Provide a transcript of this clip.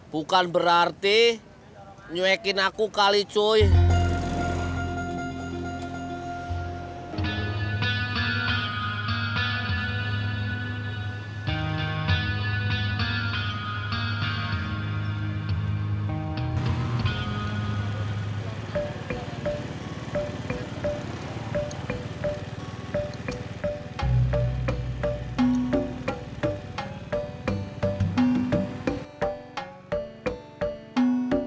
bahkan banyak banyak hal saksi